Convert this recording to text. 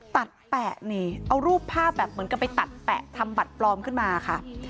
แปะนี่เอารูปภาพแบบเหมือนกับไปตัดแปะทำบัตรปลอมขึ้นมาค่ะ